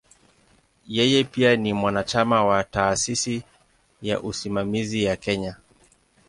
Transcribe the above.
Yeye pia ni mwanachama wa "Taasisi ya Usimamizi ya Kenya".